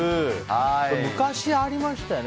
昔ありましたよね。